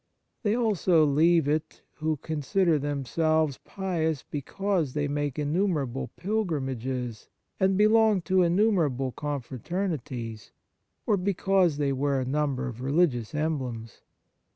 They also leave it who con sider themselves pious because they make innumerable pilgrimages and ♦ Matt. vi. 7, 8. The Nature of Piety belong to innumerable confraternities, or because they wear a number of re ligious emblems.